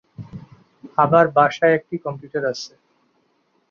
আবার বাসায় একটি কম্পিউটার আছে।